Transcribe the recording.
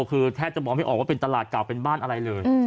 คือแทบจะมองไม่ออกว่าเป็นตลาดเก่าเป็นบ้านอะไรเลย